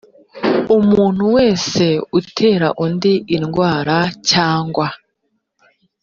umuntu wese utera undi indwara cyangwa